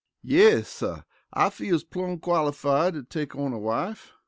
"Yes, suh, I feels plum' qualified to take on a wife."